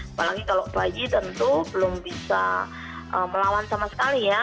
apalagi kalau bayi tentu belum bisa melawan sama sekali ya